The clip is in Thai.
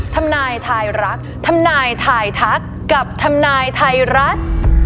ทำนายทายรักทำนายทายทักกับทำนายไทยรัฐ